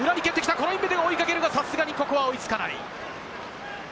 コロインベテが追いかけるが、さすがにここは追いつかない。